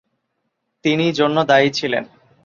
তিনি জন্য দায়ী ছিলেন।